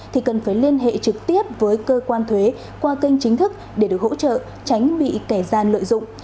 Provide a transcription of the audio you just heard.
thì cần phải liên hệ trực tiếp với cơ quan thuế qua kênh chính thức để được hỗ trợ tránh bị kẻ gian lợi dụng